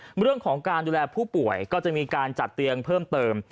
เรื่องของการดูแลผู้ป่วยก็จะมีการจัดเตียงเพิ่มเติม